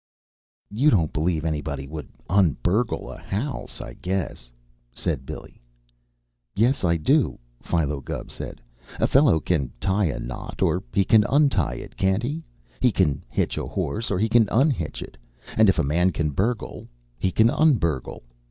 "You don't believe anybody would un burgle a house, I guess," said Billy. "Yes, I do," Philo Gubb said. "A fellow can tie a knot, or he can un tie it, can't he? He can hitch a horse, or he can un hitch it. And if a man can burgle, he can un burgle.